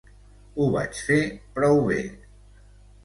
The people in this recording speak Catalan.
Ho vaig fer prou bé.